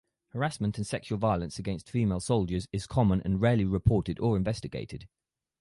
Harassment and sexual violence against female soldiers is common and rarely reported or investigated.